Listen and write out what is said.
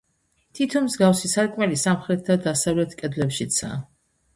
თითო მსგავსი სარკმელი სამხრეთ და დასავლეთ კედლებშიცაა.